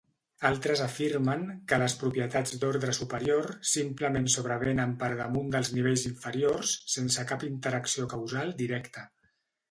Altres afirmen que les propietats d'ordre superior simplement sobrevenen per damunt de nivells inferiors sense cap interacció causal directa.